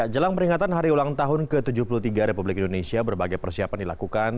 jelang peringatan hari ulang tahun ke tujuh puluh tiga republik indonesia berbagai persiapan dilakukan